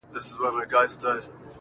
دلته هلته به هوسۍ وې څرېدلې -